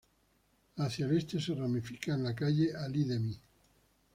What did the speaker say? Hacia el este se ramifica en la Calle Ali Demi.